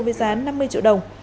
với giá năm mươi triệu đồng